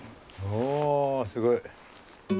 おすごい。